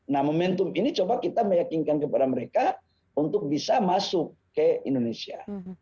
nah momentum ini kita coba meyakinkan dalamuates untuk bisa masuk ke indonesia